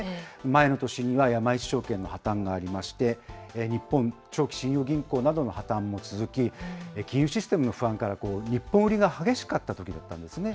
前の年には山一證券の破綻がありまして、日本長期信用銀行などの破綻も続き、金融システムの不安から日本売りが激しかったときだったんですね。